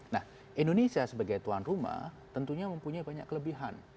nah indonesia sebagai tuan rumah tentunya mempunyai banyak kelebihan